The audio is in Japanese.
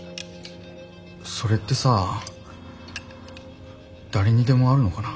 それってさ誰にでもあるのかな。